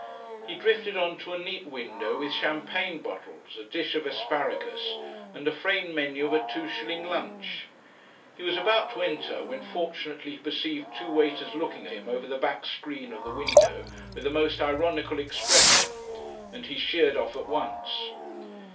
He drifted on to a neat window with champagne bottles, a dish of asparagus and a framed menu of a two shilling lunch. He was about to enter, when fortunately he perceived two waiters looking at him over the back screen of the window with a most ironical expression, and he sheered off at once.